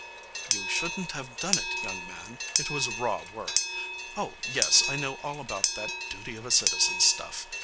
'You shouldn't have done it, young man. It was raw work. Oh, yes, I know all about that duty of a citizen stuff.